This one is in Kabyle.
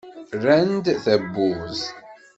Rran-d tawwurt.